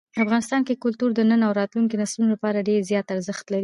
افغانستان کې کلتور د نن او راتلونکي نسلونو لپاره ډېر زیات ارزښت لري.